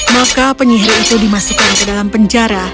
maka penyihir itu dimasukkan ke dalam penjara